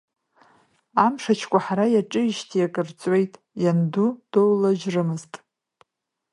Амш ачкәаҳара иаҿижьҭеи акырҵуеит, ианду доулыжьрымызт.